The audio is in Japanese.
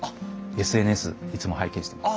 ＳＮＳいつも拝見してます。